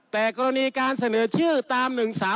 แต่กรณีการเสนอชื่อตาม๑๓